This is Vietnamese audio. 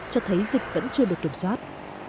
cho thấy dịch vẫn chưa được kiểm soát